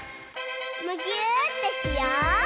むぎゅーってしよう！